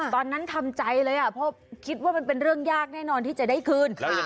ทำใจเลยเพราะคิดว่ามันเป็นเรื่องยากแน่นอนที่จะได้คืน